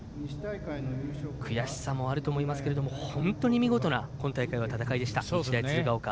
悔しさもあると思いますけども本当に見事な今大会は戦いでした日大鶴ヶ丘。